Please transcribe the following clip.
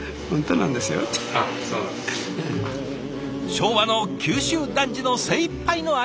昭和の九州男児の精いっぱいの「ありがとう」。